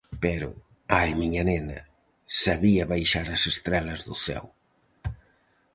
Pero, ai, miña nena, sabía baixar as estrelas do ceo!